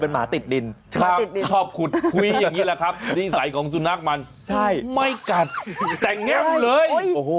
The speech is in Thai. เป็นหมาติดดินชอบขุดคุ้ยแบบนี้แหละครับธรรมดิสัยของสุนัขมันไม่กัดแต่งั่งเลย